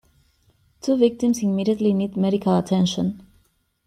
Two victims immediately need medical attention.